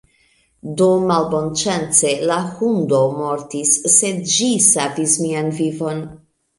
Do malbonŝance, la hundo mortis, sed ĝi savis mian vivon